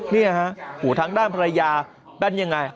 นี่ฮะหูทางด้านภรรยาเป็นยังไง